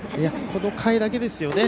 この回だけですよね。